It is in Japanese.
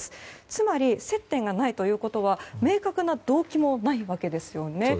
つまり、接点がないということは明確な動機もないわけですよね。